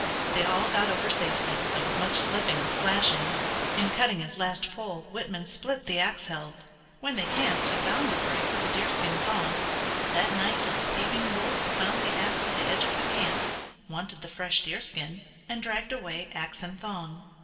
They all got over safely, though with much slipping and splashing. In cutting his last pole Whitman split the ax helve. When they camped he bound the break with a deerskin thong, but that night a thieving wolf found the ax at the edge of the camp, wanted the fresh deerskin, and dragged away ax and thong.